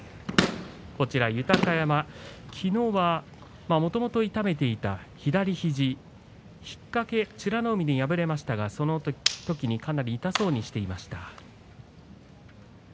こちら豊山、昨日はもともと痛めていた左肘引っかけ、美ノ海に敗れましたがその時にかなり痛そうにしていました。